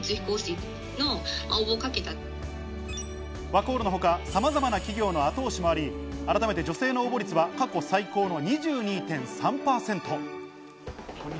ワコールのほか、さまざまな企業の後押しもあり、改めて女性の応募率は過去最高の２２．３％。